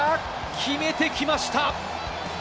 決めてきました。